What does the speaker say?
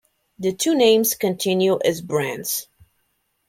The two names continue as brands.